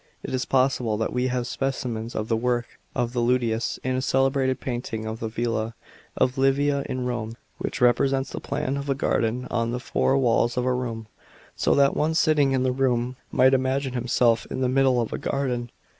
f It is possible that we have speci mens of the work of this Ludius in a celebrated painting of the villa of Livia in Home, which represents the plan of a garden on the four walls of a room, so that one sitting in the room might imagine himself in the middle of a garden.